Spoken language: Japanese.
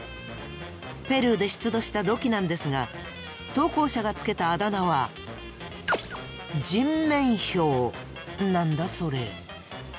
ペルーで出土した土器なんですが投稿者がつけたあだ名は何だそれ？